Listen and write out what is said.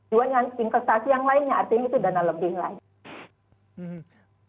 juga investasi yang lainnya artinya itu dana lebih lagi